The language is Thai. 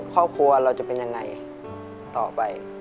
ครอบครัวเราจะเป็นยังไงต่อไป